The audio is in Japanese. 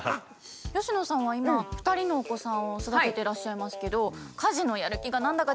佳乃さんは今２人のお子さんを育ててらっしゃいますけど常に出ない？